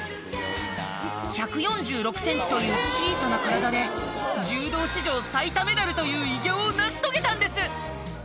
１４６センチという小さな体で柔道史上最多メダルという偉業を成し遂げたんです！